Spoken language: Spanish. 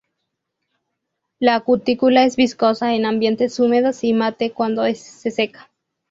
La cutícula es viscosa en ambientes húmedos, y mate cuando se seca.